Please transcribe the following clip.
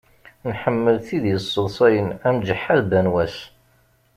Nḥemmel tid yesseḍsayen am Ǧeḥḥa d Banwas.